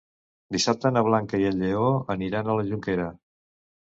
Dissabte na Blanca i en Lleó aniran a la Jonquera.